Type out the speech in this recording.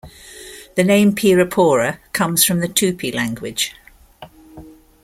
The name "Pirapora" comes from the Tupi language.